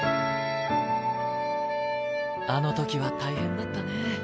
あの時は大変だったね。